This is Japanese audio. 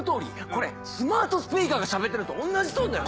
これスマートスピーカーがしゃべってるのと同じトーンだよ